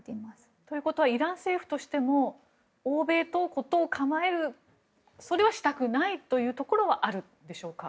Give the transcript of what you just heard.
ということはイラン政府としても欧米と事を構えるそれはしたくないというところはあるんでしょうか。